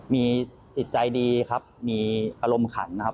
มีจิตใจดีครับมีอารมณ์ขันนะครับ